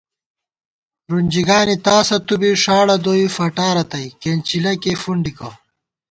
رُنجیگانی تاسہ تُو بی ݭاڑہ دوئی فٹا رتئ کېنچِلہ کېئی فُنڈِکہ